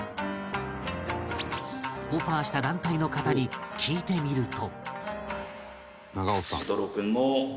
オファーした団体の方に聞いてみると